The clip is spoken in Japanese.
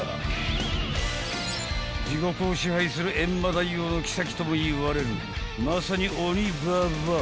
［地獄を支配する閻魔大王の妃ともいわれるまさに鬼ババア］